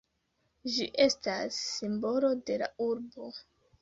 Ĝi estas simbolo de la urbo.